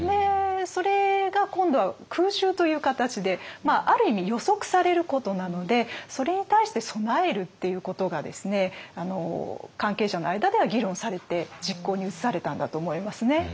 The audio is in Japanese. それが今度は空襲という形である意味予測されることなのでそれに対して備えるっていうことが関係者の間では議論されて実行に移されたんだと思いますね。